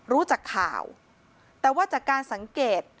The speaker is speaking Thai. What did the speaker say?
รู้จักข่าวแต่ว่าจากการสังเกต